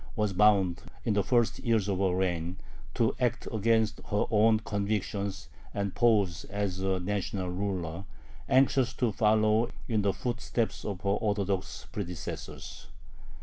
was bound, in the first years of her reign, to act against her own convictions and pose as a national ruler, anxious to follow in the footsteps of her Orthodox predecessors.